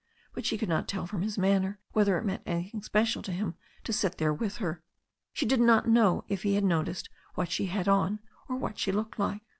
But she could not tell from his manner whether it meant anything special to him to sit there with her. She did not know if he had noticed what she had on or what she looked like.